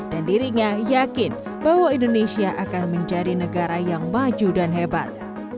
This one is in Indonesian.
dan dirinya yakin bahwa indonesia akan menjadi negara yang maju dan hebat